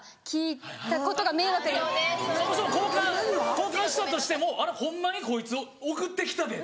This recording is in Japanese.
交換したとしても「あれホンマにこいつ送ってきたで」とか。